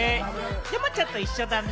山ちゃんと一緒だね。